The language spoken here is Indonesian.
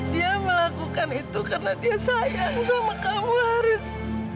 dia melakukan itu karena dia sayang sama kamu haris